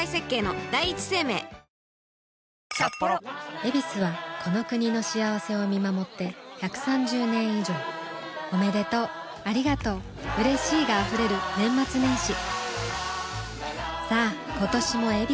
「ヱビス」はこの国の幸せを見守って１３０年以上おめでとうありがとううれしいが溢れる年末年始さあ今年も「ヱビス」で